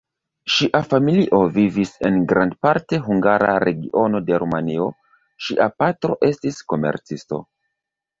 Ŝia familio vivis en grandparte hungara regiono de Rumanio; ŝia patro estis komercisto.